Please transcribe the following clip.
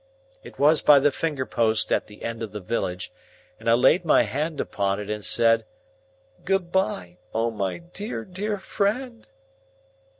It was by the finger post at the end of the village, and I laid my hand upon it, and said, "Good bye, O my dear, dear friend!"